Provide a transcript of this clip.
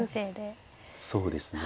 そうですね。